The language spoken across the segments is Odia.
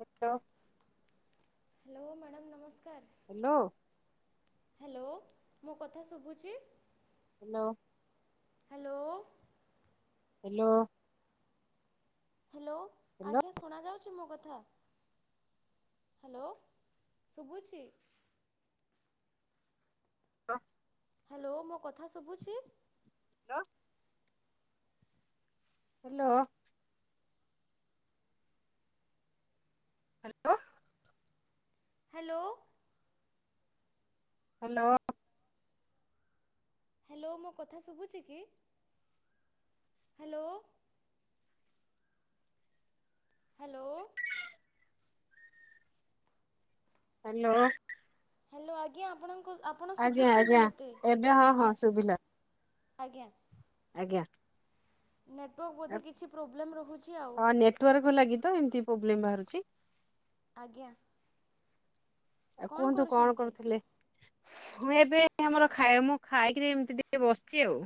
ହ୍ୟାଲୋ। ହ୍ୟାଲୋ ମ୍ୟାଡ଼ାମ୍ ନମସ୍କାର। ହ୍ୟାଲୋ। ହ୍ୟାଲୋ ମୋ କଥା ଶୁଭୁଚି। Hello. Hello. Hello. Hello hello ଆଜ୍ଞା ଶୁଣାଯାଉଛି ମୋ କଥା- ହ୍ୟାଲୋ ଶୁଭୁଛି। ହଁ। ହ୍ୟାଲୋ ମୋ କଥା ଶୁଭୁଛି। Hello. Hello. Hello hello. Hello. Hello ମୋ କଥା ଶୁଭୁଛି କି ହ୍ୟାଲୋ। ହ୍ୟାଲୋ। ହ୍ୟାଲୋ। ହ୍ୟାଲୋ ଆଜ୍ଞା ଆପଣ ଆଜ୍ଞା ଶୁଭୁଛନ୍ତି ଆଜ୍ଞା ମୋତେ ଏବେ ହଁ ହଁ ଆଜ୍ଞା ଶୁଭିଲା। ଆଜ୍ଞା। ଆଜ୍ଞା। ନେଟୱାର୍କ ବୋଧେ କିଛି ପ୍ରୋବ୍ଲେମ୍ ରହୁଛି ଆଉ ହଁ ନେଟୱାର୍କ ଲାଗି ତ ଏମିତି ପ୍ରୋବ୍ଲେମ୍ ବାହାରୁଛି। ଆଜ୍ଞା। ଆଉ କୁହନ୍ତୁ କଣ କରୁଥିଲେ। ମୁଁ ଏବେ ଆମର ଖାଇ ମୁଁ ଖାଇକିରି ଏମିତି ଟିକେ ବସିଛି ଆଉ-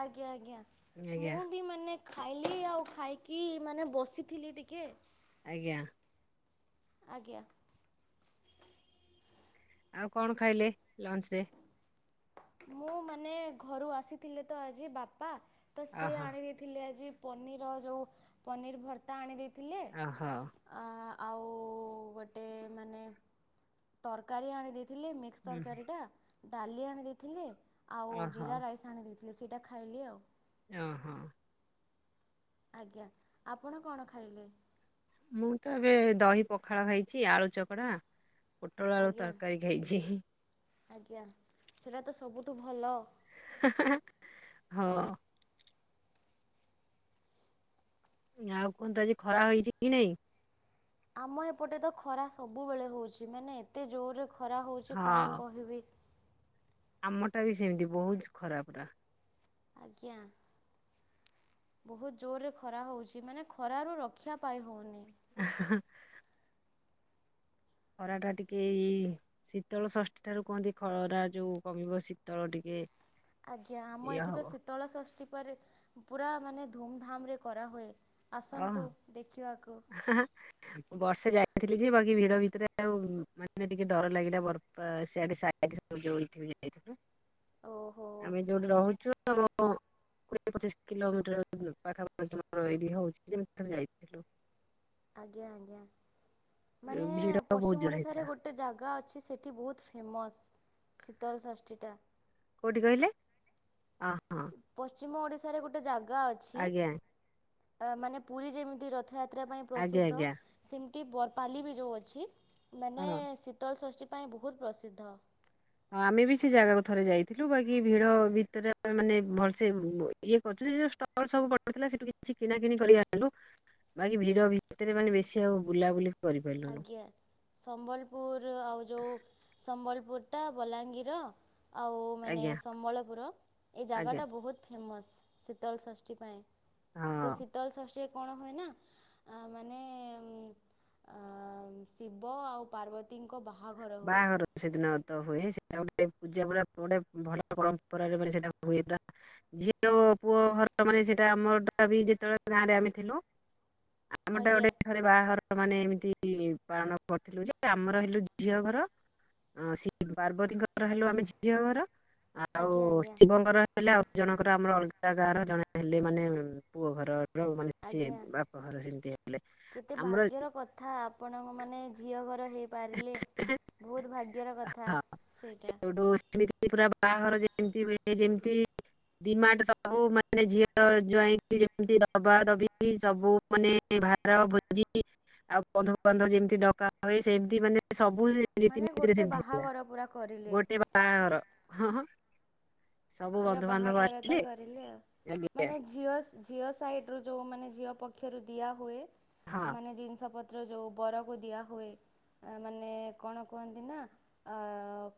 ଆଜ୍ଞା ଆଜ୍ଞା ଆଜ୍ଞା ମୁଁ ବି ମାନେ ଖାଇଲି ଆଉ ଖାଇକି ମାନେ ବସିଥିଲି ଟିକେ ଆଜ୍ଞା ଆଜ୍ଞା ଆଉ କଣ ଖାଇଲେ ଲଞ୍ଚ ରେ ମୁଁ ମାନେ ଘରୁ ଆସିଥିଲେ ତ ଆଜି ବାପା ତ ସେ ଓହୋ ଆଣି ଦେଇେଥିଲେ ଆଜି ପନିର ଯୋଉ ପନିର ଭର୍ତା ଆଣି ଦେଇ ଥିଲେ ଓହୋ ଆଁ ଆଉ ଗୋଟେ ମାନେ ତରକାରୀ ଆଣିଦେଇ ଥିଲେ ମିକ୍ସ ହୁଁ ତରକାରୀ ଟା। ଡାଲି ଆଣ ଦେଇ ଥିଲେ ଆଉ ଓହୋ ଜିରା ରାଇସ୍ ଆଣିଦେଇ ସେଇଟା ଖାଇଲି ଆଉ ଓ ହୋ ଆଜ୍ଞା ଆପଣ କଣ ଖାଇଲେ ମୁଁ ତ ଏବେ ଦହି ପଖାଳ ଖାଇଛି ଆଳୁ ଚକଡା ପୋଟଳ ଆଳୁ ଆଜ୍ଞା ତରକାରୀ ଖାଇଛି ଆଜ୍ଞା ସେଟା ତ ସବୁ ଟୁ ଭଲ ହଁ ଆଉ କୁହନ୍ତୁ ଆଜି ଖରା ହେଇଛି କି ନାଇଁ ଆମ ଏପଟେ ତ ଖରା ସବୁବେଳେ ହଉଛି ମାନେ ଏତେ ଜୋରରେ ଖ ଖରା ହେଉଛି କଣ ହଁ କହିବି ଆମଟା ବି ସେମିତି ବହୁତ ଖରାପଟା। ଆଜ୍ଞା ବହୁତ ଜୋରରେ ଖରା ହଉଛି ମାନେ ଖରାରୁ ରକ୍ଷା ପାଇ ହଉନି। [unintelligible] ଖରା ଟା ଟିକେ ଶୀତଳ ଷଷ୍ଠୀ ଠାରୁ କୁହନ୍ତି ଖରା ଯୋଉ କମିବ। ଶୀତଳ ଟିକେ ଆଜ୍ଞା ଆମ ଇଏ ଏଠି ତ ହବ ଶୀତଳ ଷଷ୍ଠୀ ଉପରେ ପୁରା ମାନେ ଧୁମଧାମ ରେ କରା ହୁଏ। ଅ ହଁ ହେଁ ବର୍ଷେ ଯାଇ ଥିଲି ଯେ ବାକି ଭିଡ ଭିତରେ ଆଉ ମାନେ ଟିକେ ଡର ଲାଗିଲା ବରପା ସେଆଡେ଼ [unintelligible] ଯାଇଥିଲୁ। ଓହୋ ଆମେ ଯୋଉଠି ରହୁଛୁ ତମ କୋଡିଏ ପଚିଶ କିଲୋମିଟର ପାଖାପଖୀ ତମର ଏଇଠି ହଉଛି। ଯେମିତି ଥରେ ଯାଇଥିଲୁ। ଆଜ୍ଞା ଆଜ୍ଞା। ମାନେ ଭିଡ ବହୁତ ପଶ୍ଚିମ ଜୋର ହେଇଥିଲା ଓଡିଶାରେ ଗୋଟେ ଜାଗା ଅ ଅଛି ସେଠି ବହୁତ ଫେମସ୍ ଶୀତଳଷଷ୍ଠୀଟା। କୋଉଠି କହିଲେ? ଅ ହଁ ପସ ପଶ୍ଚିମ ଓଡିଶାରେ ଗୋଟେ ଜା ଆଗା ଅଛି ଆଜ୍ଞା ଅ ମାନେ ପୁରୀ ଯେମିତି ରଥଯାତ୍ରା ଯାତ୍ରା ପାଇଁ ଆଜ୍ଞା ପ୍ରସିଦ୍ଧ। ଆଜ୍ଞା ସେମତି ଏ ବରପାଲି ବି ଯୋଉ ଅଛି। ମାନେ ହଁ ଶୀତଲ ସଷଷ୍ଠୀ ପାଇଁ ବହୁତ ପ୍ରସିଦ୍ଧ। ହଁ ଆମେ ବି ସେ ଜାଗାକୁ ଥରେ ଯାଇଥିଲୁ। ବାକି ଭିଡ ଭିତରେ ଆମେ ମାନେ ଭଲସେ ଇଏ କରୁଛୁ। ଯୋଉ ଷ୍ଟଲ ସବୁ ପଡିଥିଲା ସେଠୁ କିଛି କିଣା କିଣି କରି ଆଣିଲୁ। ବାକି ଭିଡ ଭିତରେ ମାନେ ବେଶୀ ଆଉ ବୁଲାବୁଲି କରିପାରିଲୁନୁ ଆଜ୍ଞା ସମ୍ବଲପୁର ଆଉ ଯୋଉ ସମ୍ବଲ ବୋଟା ବଲାଙ୍ଗୀର। ଆଉ ମାନେ ଆଜ୍ଞା ସମ୍ବଳପୁର ଏ ଆଜ୍ଞା ଜାଗାଟା ବହୁତ ଫେମସ୍। ଶୀତଳ ଷଷ୍ଠି ପାଇଁ ହଁ ସେ ଶୀତଳ ଶଷ୍ଟି କଣ ହୁଏ ନା ଆ ମାନେ ଅ ଶିବ ଆଉ ପାର୍ବତୀ ଙ୍କ ବାହାଘର ହୁଏ। ବାହାଘର ସେଦିନ ହୁଏ ସେଟା ଗୋଟେ ପୂଜା ପଡା ଗୋଟେ ଭଲ ପରମ୍ପରାରେ ମାନେ ସେଟା ହୁଏ ପୁରା ଝିଅ ଓ ପୁଅ ଘର ମାନେ ସେଟା ଆମର ଟା ବି ଯେତେବେଳେ ଗାଁରେ ଆମେ ଥିଲୁ ଆମ ଟା ଆଜ୍ଞା ଗୋଟେ ଥରେ ବାହାଘର ମାନେ ଏମିତି ପାଳନ କରିଥିଲୁ ଯେ ଆମର ହେଲୁ ଝିଅ ଘର ସେ ପାର୍ବତୀଙ୍କର ହେଲୁ ଆମେ ଝିଅ ଘର ଆଉ ଆଜ୍ଞା ଆଜ୍ଞା। ଶିବଙ୍କର ହେଲେ ଆଉ ଜଣଙ୍କର ଆମର ଅଲଗା ଗାଁ ର ଜଣେ ହେଲେ ମାନେ ପୁଅ ଘର। ମାନେ ସିଏ ଆଜ୍ଞା ବାପ ସେମିତି ହେଲେ କେତେ ଆମର ଭାଗ୍ୟର କଥା ଆପଣଙ୍କ ମାନେ ଝିଅ ଘର ହେଇ ପାରିଲେ ବହୁତ ଭାଗ୍ୟର କଥା ହଁ ସେଇଟା। ସେଠୁ ସେମିତି ପୁରା ବାହାଘର ଯେମିତି ହୁଏ ଯେମିତି ଡିମାଣ୍ଡ ସବୁ ମାନେ ଝିଅ ଜ୍ୱାଇଁକି ଯେମତି ଦବା ଦବି ସବୁ ମାନେ ଭାର ଭୋଜି ଆଉ ବନ୍ଧୁବାନ୍ଧ ଯେମିତି ଡକା ହୁଏ ସେମ। ତି ମାନେ ସବୁ ସେ ମାନେ ରୀତିନୀତିରେ ଗୋଟେ ସେମିତି ହେଲା ବାହାଘର ପୁରା କରିଲେ ଗୋଟେ ବାହାଘର ହଁଁ। ପୁରା ବାହାଘର ତ ଆସିଲେ କରିଲେ ଆଉ ଆଜ୍ଞା ମାନେ ଝିଅ ଝିଅ ସାଇଟ ରୁ ଯୋଉମାନେ ଝିଅ ପକ୍ଷରୁ ଦିଆହୁଏ। ହଁ ମାନେ ଜିନିଷ ପତ ପତ୍ର ଯୋଉ ବରକୁ ଦିଆହୁଏ ମାନେ କଣ କୁହନ୍ତି ନା ଆ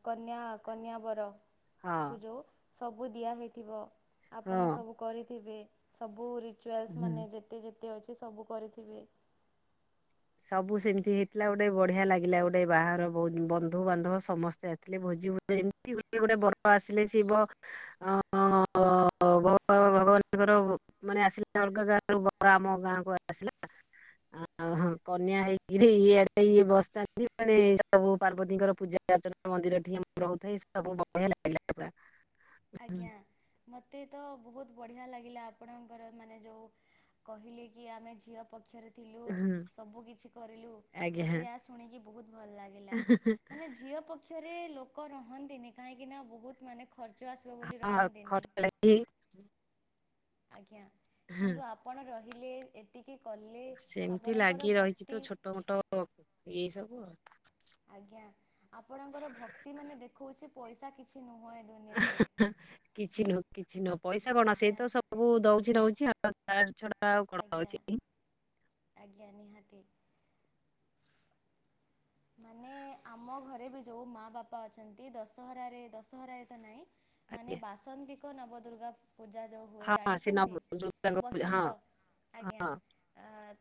କନ୍ୟା କନ୍ୟା ବର। କୁ ହଁ ଯୋଉ ସବୁ ଦିଆ ହେଇଥିବ। ଆପଣ ହଁ ସବୁ କରିଥିବେ। ସବୁ ରି ଚୁଆଲ୍ସ୍ ହୁଁ। ମାନେ ଯେତେ ଯେ ତେ ଅଛି ସବୁ କରିଥିବେ ସବୁ ସେମିତି ହେଇଥିଲା ଗୋଟେ ବଢିଆ ଲାଗିଲା ଗୋଟେ ବାହାଘର ବହୁତ ବନ୍ଧୁ ବାନ୍ଧବ ସମସ୍ତେ ଆସିଥିଲେ। ଭୋଜି ଭଜି ଯେମତି ଗୋଟେ ଗୋଟେ ବର ଆସିଲେ ଶିବ ଆ ଅ ଭଗବାନଙ୍କର ମାନେ ଆସିଲା ଅଲଗା ଗାଁରୁ ବର ଆମ ଗାଁ କୁ ଆସିଲା ଆ ହଁ। କନ୍ୟା ହେଇକିରି ଇଆଡେ ଇଏ ବସିଥାନ୍ତି ସବୁ ପାର୍ବତୀଙ୍କର ପୂଜା ଅର୍ଚ୍ଚନା ମନ୍ଦିର ଠି ଆମର ହଉଥାଏ ସବୁ ବଢିଆ ଲାଗିଲା ପୁରା ହୁଁ ଆଜ୍ଞା ମୋତେ ତ ବହୁତ ବଢ଼ିଆ ଲାଗିଲା ଆପଣଙ୍କର ମାନେ ଯୋଉ କହିଲେ କି ଆମେ ଝିଅ ପକ୍ଷରେ ଥିଲୁ ସବୁକିଛି କରିଲୁ ମତେ ଆଜ୍ଞା ଏଇଆ ଶୁଣିକି ବହୁତ ଭଲ ଲାଗିଲା। ମାନେ ଝିଅ ପକ୍ଷରେ ଲୋକ ରହନ୍ତିନି କାହିଁକି ନା ବହୁତ ମାନେ ଖର୍ ଚ ଆସିବ ବୋଲି ହଁ ରହନ୍ତିନି ଖର୍ଚ୍ଚ ଲାଗି ଆଜ୍ଞା। ହଁ କିନ୍ତୁ ଆପଣ ର ହିଲେ ଏତିକି କଲେ ସେମିତି ଆପଣଙ୍କର ଲାଗି ରହିଛି ଭକ୍ତି ତ ଛୋଟ ମୋଟ ଏଇ ସବୁ ଆଉ। ଆଜ୍ଞା ଆପଣଙ୍କର ଭକ୍ତି ମାନେ ଦେଖଉଛି ପଇସା କିଛି ନୁ କିଛି ନୁହଁ କିଛି ନୁହଁ ପଇସା କଣ ସେଇ ଆଜ୍ଞା ତ ସବୁ ଦଉଛି ନଉଛି ଆଉ। ତ ତା ଛଡ଼ା ଆଉ କଣ ଆଜ୍ଞା ହଉଛି ଆଜ୍ଞା ନିହାତି। ମାନେ ଆମ ଘରେ ବି ଯୋଉ ମା ବାପା ଅଛନ୍ତି ଦଶହରାରେ ଦଶହରାରେ ତ ନାଇଁ ମାନେ ଆଜ୍ଞା ବାସନ୍ତିକ ନବ ଦୁର୍ଗା ପୂଜା ଯେଉଁ ହୁଏ ହଁ ସେ ନବ ଜାଣିଛନ୍ତି? ଦୁର୍ଗାଙ୍କ ପୂଜା ହଁ ବସନ୍ତ -ଆଜ୍ଞା। ହଁ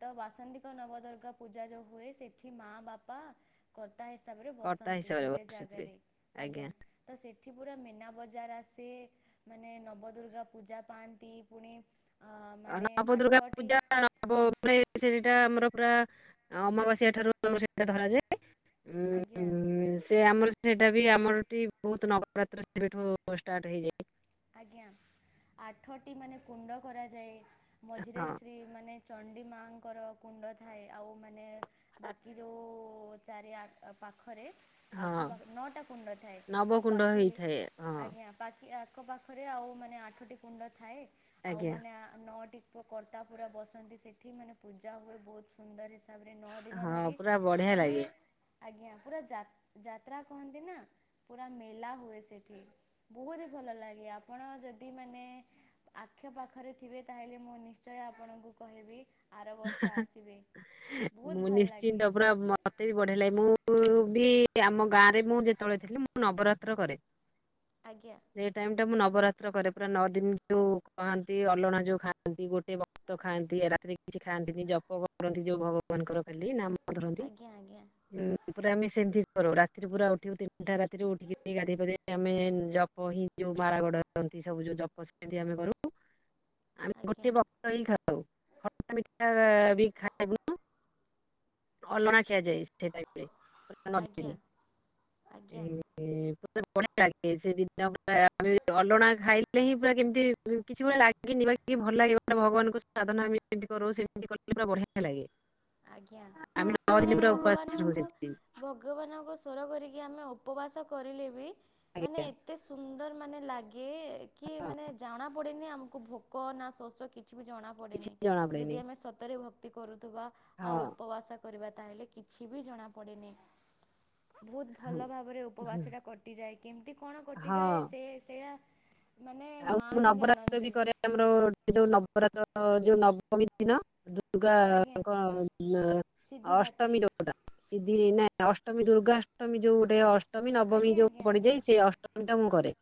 ତ ବାସନ୍ଦିକ ନବଦୁର୍ଗା ପୂଜା ଯେଉଁ ହୁଏ ସେଠି ମା, ବାପା ପା କର ତା ହିସାବରେ କର୍ତ୍ତା ବସନ୍ତି ହିସାବରେ ଗୋଟେ ବସିଥିବେ। ଜାଗାରେ। ଆଜ୍ଞା, ତ ସେଠ ଏଠି ପୁରା ମେନା ବଜାର ଆସେ ମାନେ ନବଦୁର୍ଗା ପୂଜା ପାଆନ୍ତି ପୁଣି ଅ ମାନେ ନବ ଦୁର୍ଗା ଆଠଟି ପୂଜା ସେଟା ଆମର ପୁରା ଅମାବାସ୍ୟା ଠାରୁ ସେଟା ଧରାଯାଏ ଆଜ୍ଞା। ହୁଁ ସେ ଆମର ସେଇଟା ବି ଆମର ଏଠି ବହୁତ ନବରାତ୍ର ସେଠୁ ଷ୍ଟାର୍ଟ ହେଇଯାଏ। ଆଜ୍ଞା ଆଠଟି ମାନେ କୁଣ୍ଡ କରାଯାଏ ମଝିରେ ହଁ ଶ୍ରୀ ମାନେ ଚଣ୍ଡି ମାଙ୍କର କୁଣ୍ଡ ଥାଏ ଆଉ ମାନେ ବାକି ଯୋଉଁ ଚାରି ଆ ପାଖ ପାଖରେ ହଁ ଆଖପାଖ ନଅଟା କୁଣ୍ଡ ଥାଏ ଆଉ ନବକୁଣ୍ଡ ପାଖି- ହେଇଥାଏ ହଁ ଆଜ୍ଞା ପାଖି ତାଙ୍କ ପାଖରେ ଆଉ ମାନେ ଆଠଟି କୁଣ୍ଡ ଥାଏ ଆଉ ଆଜ୍ଞା। ମାନେ ନଅଟି ପୁଅ କର୍ତ୍ତା ପୁରା ବସନ୍ତି ସେଠି ମାନେ ପୂଜା ହୁଏ ବହୁତ ସୁନ୍ଦର ହିସାବରେ ନଅ ଦିନ ହଁ ଧରି ପୁରା ବଢିଆ ମାନେ ଲାଗେ। ଆଜ୍ଞା ପୁରା ଯାତ୍ରା କହନ୍ତି ନା ପୁରା ମେଲା ହୁଏ ସେଠି ବହୁଦିନ ଭଲ ଲାଗେ ଆପଣ ଯଦି ମାନେ ଆଖ ପାଖରେ ଥିବେ ତାହେଲେ ମୁଁ ନିଶ୍ଚୟ ଆପଣଙ୍କୁ କହିବି ଆର ବର୍ଷ ଆସିବେ। ବହୁତ ମୁଁ ଭଲ ଲାଗେ। ନିଶ୍ଚିନ୍ତ ପୁରା ମତେ ବି ବଢେଇଲାଗେ ମୁଁ ବି ଆମ ଗାଁ ରେ ମୁଁ ଯେତେବେଳେ ଥିଲି ମୁଁ ନବରାତ୍ର କରେ। ଆଜ୍ଞା ସେଇ ଟାଇମ ଟା ମୁଁ ନବରାତ୍ର କରେ ପୁରା ନଅ ଦିନ ଯୋଉ କହନ୍ତି ଅଲଣା ଯୋଉ ଖାଆନ୍ତି ଗୋଟେ ବକ୍ତ ଖାଆନ୍ତି ରାତି କିଛି ଖାଆନ୍ତିନି ଜପ କରନ୍ତି ଯୋଉ ଭଗବାନଙ୍କର କ ନାମ ଧରନ୍ତି। ଆଜ୍ଞା ଆଜ୍ଞା ପୁରା ଆମେ ସେମିତି କରୁ ରାତିରେ ପୁରା ଉଠ ତିନିଟା ରାତିରେ ଉଠିକି ଗାଧୋଇ ପାଧେଇ ଆମେ ଜପ ହିଁ ଯୋଉ ମାଳ ଗଡନ୍ତି ସବୁ ଜପ ସେମିତି ଆମେ କରୁ। ଆମେ ଗୋଟେ ବକ୍ତ ହିଁ ଖାଉ। ପିଠା ବି ଖାଇବୁ ଅଲଣା ଖିଆଯାଇଛି। ସେଟ ଆଜ୍ଞା ଆଜ୍ଞା ଆଜ୍ଞା। [unintelligible] ପ ବଢିଆ ଲାଗେ ସେ ଦିନା ପୁରା ଅଲଣା ଖାଇଲେ ହିଁ ପୁରା କେମିତି କିଛି ଭଳିଆ ଲାଗିକି ନ ଭଲ ଲାଗେଟା ଭଗବାନଙ୍କୁ ସାଧନା ସେମିତି କର ସେମିତି କଲେ ପୁରା ବଢିଆ ଲାଗେ। ଆଜ୍ଞା ଆମେ ନଅ ଦିନ ମାନେ ପୁରା ଉପବାସ ରହୁ ଭଗବାନଙ୍କୁ ସେମିତି ଭଗବାନଙ୍କୁ ସ୍ୱର କରିକି ଆମେ ଉପବାସ କରିଲେ ବି ମାନେ ଆଜ୍ଞା ଏତେ ସୁନ୍ଦ ମାନେ ଲାଗେ କି କି ହଁ ମାନେ ଜଣା ପଡନି ଆ ଙ୍କୁ ଭୋକ ନା ଶୋ କିଛି କିଛି ବି ଜଣା କିଛି ପଡେନି ଜଣା ଯଦି ପଡେନି ଆମେ ସତରେ ଭତ କରୁଥିବା ଆଉ ହଁ ଉପବାସ କରିବା ତାହେଲେ କିଛି ବି ଜଣା ପଡେନି। [inaudible] ବହୁତ ହଁ। ଭଲ ଭାବରେ ଉପବାସ ଟା କଟିଯାଏ। କେମିତି କଣ ହଁ କଟିଯାଏ ସେ ସେଇଟା ଆଉ ମୁଁ ନବରାତ୍ର ବି କରେ ଆମର ଯୋଉ [unintelligible] ଯୋଉ ନବମୀ ଦିନ ଆଜ୍ଞା ଦୁର୍ଗାଙ୍କ [unintelligible] ସିଦ୍ଧିଦାତ୍ରୀ ଅଷ୍ଟମୀରଟା ଦ ନାଁ ଅଷ୍ଟମୀ ଦୁର୍ଗାଷ୍ଟମୀ ଯୋଉଟେ ଅ ଅଷ୍ଟମୀ ନବମୀ ଆଜ୍ଞା ଯେଉଁ ଆଜ୍ଞା ଆଜ୍ଞା ପଡ଼ିଯାଇ ସେ ଅଷ୍ଟମୀ ତ ମୁଁ କରେ।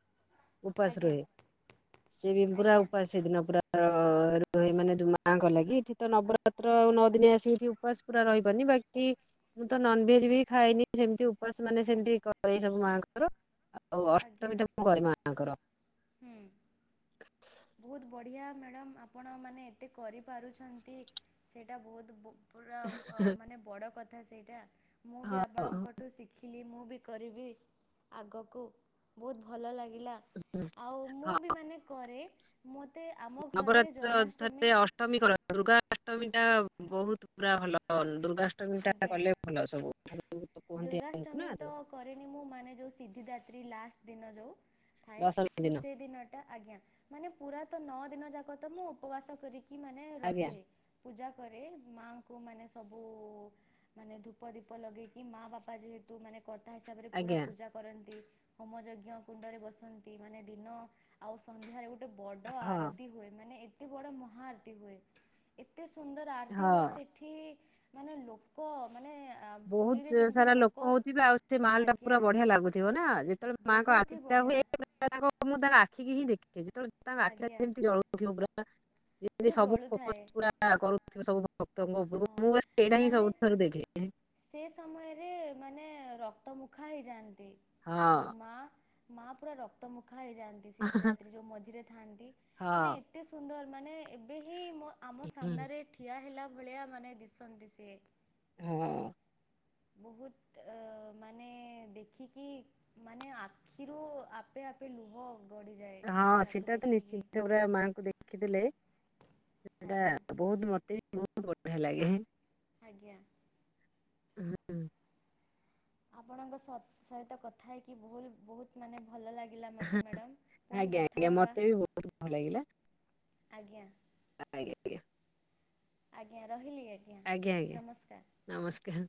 ଉପସ ଆଜ୍ଞା ରୁହେ। [inaudible] ସେ ବି ପୁରା ଆଜ୍ଞା। ଉପାସ ସେଦିନ ପୁରା ରୁହେ ମାନେ ଦ ମାଙ୍କ ଲାଗି ଏଠି ତ ନବରାତ୍ର ଆଉ ନଅ ଦିନି ଆସିକି ଏଠି ଉପାସ ପୁରା ରହିବନି ବାକି ମୁଁ ତ ନନଭେଜ ବି ଖାଏନି ସେମିତି ଉପାସ ମାନେ ସେମିତି କରେ ସବୁ ମାଆଙ୍କର ଆଉ ଆଜ୍ଞା ଅଷ୍ଟମୀ ଟା ମୁଁ କରେ ମା ମା ଙ୍କର [inaudible] ବହୁତ ବଢ଼ିଆ ମ୍ୟାଡ଼ମ୍ ଆପଣ ମାନେ ଏତେ କରିପାରୁଛନ୍ତି ସେଇଟା ବହୁତ ପୁରା ମାନେ ବଡ କ ଥା ସେଇଟା ମୁଁ ବି ଆପଣଙ୍କଠୁ ଶିଖିଲି ମୁଁ ମୁଁ ବି କରିବି ଆଗକୁ, ବହୁତ ଭଲ ଲାଗେ ଗିଲା ଆଉ ମୁଁ ହଁ ବି ମାନେ କରେ ମୋତ ନବରାତ୍ର ଅଥା ଅଷ୍ଟମୀ କର ଦୁର୍ଗାଷ୍ଟ ଷ୍ଟମୀ ଟା ବହୁତ ପୁରା ଭଲ ଦୁର୍ଗା ଆଜ୍ଞା, [inaudible] କୁହନ୍ତି ଆମକୁ ନା ଦୁର୍ଗାଷ୍ଟମୀ ତ କରେନି ମୁଁ ମାନେ ଯୋଉ ସିଦ୍ଧିଦା ତ୍ରୀ ଲାଷ୍ଟ ଦିନ ଯୋଉ, ଥାଏ ମୁଁ ସେ ଦିନ ଆଜ୍ଞା ମାନେ ପୁରା ତ ନଅ ଦିନ ଯାକ ତ ମୁଁ ଉପବାସ କରିକି କି ମାନେ ଆଜ୍ଞା ରହେ, ପୂଜା କରେ ମାଆଙ୍କୁ ମାନେ ସବୁ ମାନେ ଧୂପ, ଦୀପ ଲଗେଇକି ମା ବାପା ଯେହେତୁ ମାନେ କର୍ତ୍ତା ହିସାବରେ ପୁରା ଆଜ୍ଞା ପୂଜା କରନ୍ତି ହୋମ ଯଜ୍ଞ କୁଣ୍ଡରେ ବସନ୍ତି ମାନେ ଦିନ ଆଉ ସନ୍ଧ୍ୟାରେ ଗୋଟେ ଗୋଟେ ବଡ ହଁ ଆରତି ହୁଏ ମାନେ ଏତେ ବଡ଼ ମହା ଆରତୀ ହୁଏ [inaudible] ଏତେ ସୁନ୍ଦର ଆରତି ହଁ ହୁଏ ସେଠି, ମାନେ ଲୋ କ ମାନେ ବହୁତ ସାରା ଲୋକ ହଉଥିବେ ଆଉ ସେ ମାଲ ଟା ଆଜ୍ଞା ପୁରା ବଢିଆ ଲାଗୁଥିବ ନା ଯେତେବେଳେ ମାଆଙ୍କ ବହୁତ ହି ଆତି ବଢ଼ିଆ ହୁଏ ତା ମୁଁ ତାଙ୍କ ଆଖିକି ହିଁ ଦେଖ, ଯେତେବେଳେ ତାଙ୍କ ଆଖି ଆଜ୍ଞା ଯେମିତି ଜଳଥିବ ପୁରା ଯେମତି ପୁରା ସବୁ ଜଳୁଥାଏ ଫୋକସ ପୁରା କରୁଥିବ ସବୁ- ଭକ୍ତଙ୍କ ହଁ ଉପରକୁ ମୁଁ ସେଇଟା ହିଁ ମାନେ ସବୁଠାରୁ ଦେଖେ, ସେ ସମୟରେ ମାନେ ରକ୍ତ ମୁଖା ହେଇଯାଆନ୍ତି, ହଁ ଯୋଉ ମା ମା ପୁରା ରକ୍ତ ମୁକ୍। ହେଇଯାଆନ୍ତି ସିଧି ରାାତ୍ରୀ ଯୋଉ ମଝିରେ ଥାଆନ୍ତି ମାନେ ହଁ ଏତେ ସୁନ୍ଦର। ମାନେ ଏବେ ହିଁ ଆମ ସାମ୍ନାରେ ଠିଆ ହେଲା। ଭଳିଆ ମାନେ ଦିଶନ୍ତି ସେ। ହଁ। ବହୁତ ଅ ମାନେ ଦେଖିକି ମାନେ ଆଖିରୁ ଆପେ ଆପେ ଲୁହ ଗଡ଼ିଯାଏ ହଁ ତାକୁ ସେଟା ତ ଦେଖିକି ନିଶ୍ଚିତ ଭାବରେ ମାଆଙ୍କୁ ଦେଖିଦେଲେ। ଆଜ୍ଞା ବହୁତ ମତେ। ବହୁତ ବଢିଆ ଲାଗେଁ। ଆଜ୍ଞା [inaudible] [unintelligible] ଆପଣଙ୍କ ସହିତ କଥା ହେଇକି ବହୁତ ମାନେ ଭଲ ଲାଗିଲା ମୋତେ ମ୍ୟାଡ଼ମ୍ ପୁଣି ଆଜ୍ଞା କଥା ଆଜ୍ଞା ହେବା ମତେ ବି ବହୁତ ଭଲ ଲାଗିଲା। ଆଜ୍ଞା। ଆଜ୍ଞା ଆଜ୍ଞା। ଆଜ୍ଞା ର। ଆଜ୍ଞା ଆଜ୍ଞା ନମସ୍କାର।